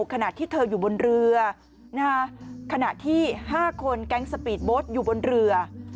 ขณะที่เธออยู่บนเรือขณะที่๕คนแก๊งสปีดโบสต์อยู่บนเรือ